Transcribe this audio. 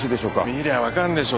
見りゃわかるでしょ。